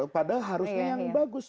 padahal harusnya yang bagus